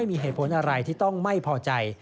ในผลอะไรที่ต้องไม่พอใจ